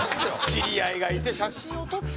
知り合いがいて写真を撮って。